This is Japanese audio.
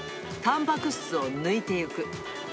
たんぱく質を抜いていく。